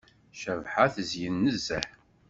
Cabḥa tezyen nezzeh.